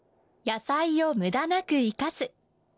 野菜を無駄なく生かす。